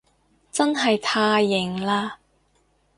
真係太型喇